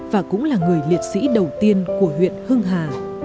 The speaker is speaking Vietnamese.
và cũng là người liệt sĩ đầu tiên của huyện hưng hà